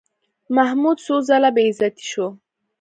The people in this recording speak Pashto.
محمود څو ځله بېعزتي شو.